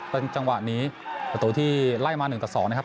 เป็นจังหวะนี้ประตูที่ไล่มา๑กับ๒